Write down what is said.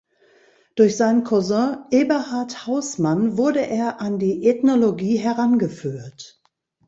Durch seinen Cousin Eberhard Haussmann wurde er an die Ethnologie herangeführt.